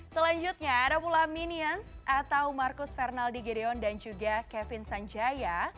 selanjutnya ada pula minions atau marcus fernaldi gedeon dan juga kevin sanjaya